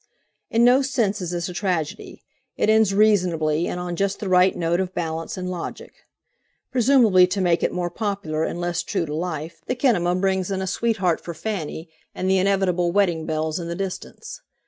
"In no sense is this a tragedy; it ends reasonably and on just the right note of balance and logic. Presumably to make it more popular and less true to life, the kinema brings in a sweetheart for Fanny and the inevitable wedding bells in the distance.